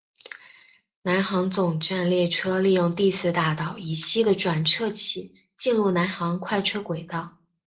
南行总站列车利用第四大道以西的转辙器进入南行快车轨道。